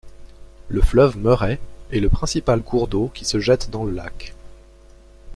Le fleuve Murray est le principal cours d'eau qui se jette dans le lac.